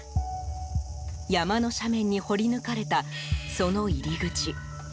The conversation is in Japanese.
山の斜面に掘り抜かれたその入り口。